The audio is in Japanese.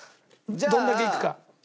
どんだけいくか。